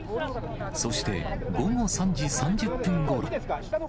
そして、午後３時３０分ごろ。